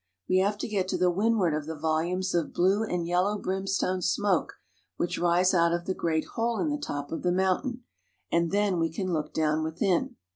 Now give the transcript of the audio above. We have to get to the windward of the volumes of blue and yellow brimstone smoke which rise out of the great hole in the top of the mountain, and then we can look down within.